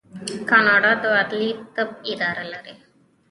کاناډا د عدلي طب اداره لري.